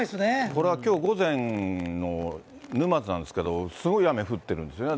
これはきょう午前の沼津なんですけど、すごい雨降ってるんですよね。